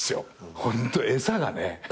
ホント餌がね。